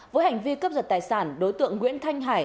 với hành vi cướp giật tài sản đối tượng nguyễn thanh hải